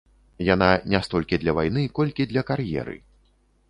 Яна не столькі для вайны, колькі для кар'еры.